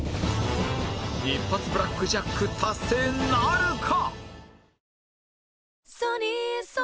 一発ブラックジャック達成なるか？